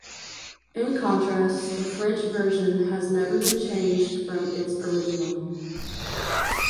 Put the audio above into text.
In contrast, the French version has never been changed from its original.